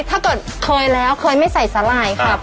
ถ้าเกิดเคยแล้วเคยไม่ใส่สาหร่ายครับ